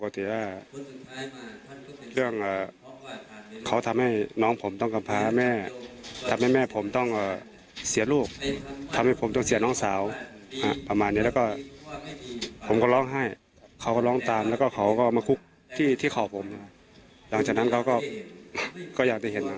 ที่ขอผมหลังจากนั้นเขาก็อยากได้เห็น